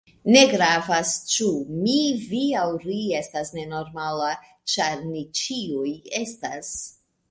Ne gravas ĉu mi, vi aŭ ri estas nenormala, ĉar ni ĉiuj estas.